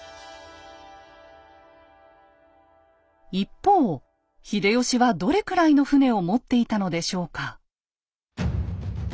一方秀吉はどれくらいの船を持っていたのでしょうか？